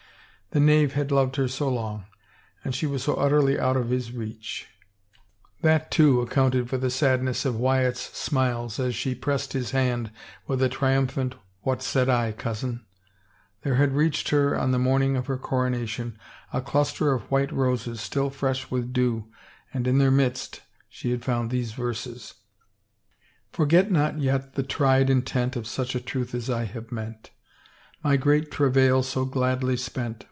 The knave had loved her so long — and she was so utterly out of his reach! That, too, accounted for the sadness of Wyatt's smiles as she pressed his hand with a triumphant^ 264 THE CHILD "What said I, cousin?" There had reached her, on the morning of her coronation, a cluster of white roses still fresh with dew, and in their midst she had foimd these verses, Forget not yet the tried intent Of such a truth as I have meant; My great travail so gladly spent.